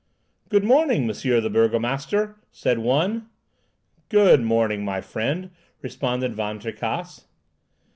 "Good morning, Monsieur the burgomaster," said one. "Good morning, my friend," responded Van Tricasse.